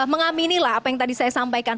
mengamini lah apa yang tadi saya sampaikan